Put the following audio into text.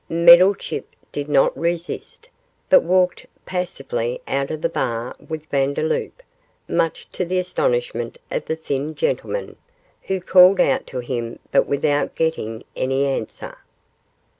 Meddlechip did not resist, but walked passively out of the bar with Vandeloup, much to the astonishment of the thin gentleman, who called out to him but without getting any answer.